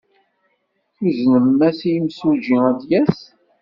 Tuznem-as i yimsujji ad d-yas?